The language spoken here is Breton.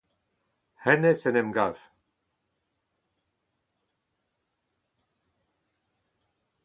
Hennezh en em gav !